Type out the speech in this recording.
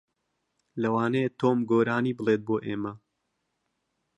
لەوانەیە تۆم گۆرانی بڵێت بۆ ئێمە.